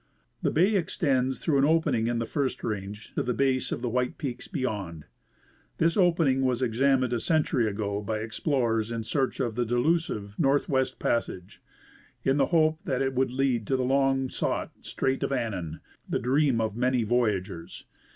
The bay extends through an opening in the first range to the base of the white peaks beyond. This opening was examined a century ago by explorers in search of the delusive " Northwest passage," in the hope that it would lead to the long sought " Strait of Annan "— the dream of many voyagers.